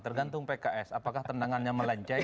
tergantung pks apakah tendangannya melenceng